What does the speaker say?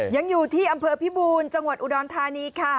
ยังอยู่ที่อำเภอพิบูรณ์จังหวัดอุดรธานีค่ะ